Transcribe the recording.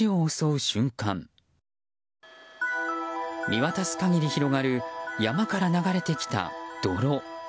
見渡す限り広がる山から流れてきた泥。